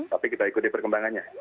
tapi kita ikuti perkembangannya